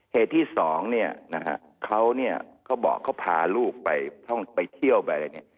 เหตุที่๒เนี่ยเขาเนี่ยเขาบอกเขาพาลูกไปเขาไปเที่ยวแบบนี้